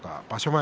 前